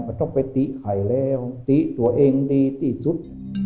มันต้องไปตีไข่แล้วตีตัวเองดีที่สุด